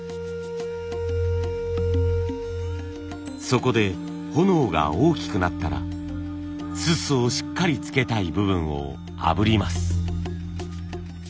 そこで炎が大きくなったらすすをしっかりつけたい部分をあぶります。